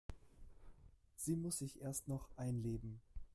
Sie muss sich erst noch einleben.